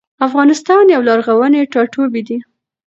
افغانستان يو لرغوني ټاټوبي دي